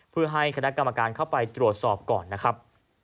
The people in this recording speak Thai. เพื่อให้คณะกรรมการเข้าไปตรวจสอบก่อนนะครับ